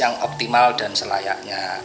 yang optimal dan selayaknya